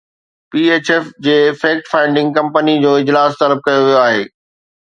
P H F جي fact finding committee جو اجلاس طلب ڪيو ويو آهي